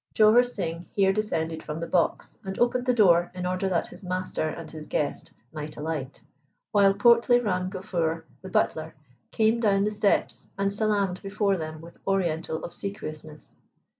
Jowur Singh here descended from the box and opened the door in order that his master and his guest might alight, while portly Ram Gafur, the butler, came down the steps and salaamed before them with Oriental obsequiousness.